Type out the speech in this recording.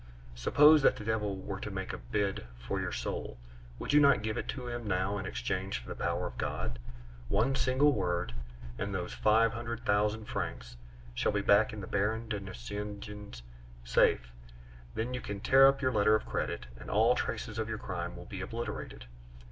"Suppose that the devil were to make a bid for your soul, would you not give it to him now in exchange for the power of God? One single word, and those five hundred thousand francs shall be back in the Baron de Nucingen's safe; then you can tear up your letter of credit, and all traces of your crime will be obliterated.